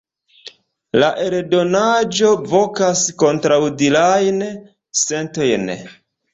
La eldonaĵo vokas kontraŭdirajn sentojn.